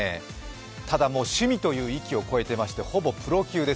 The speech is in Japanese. ただ、もう趣味という域を超えてまして、プロ級です。